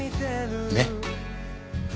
ねっ。